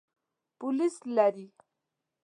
پولیس لري.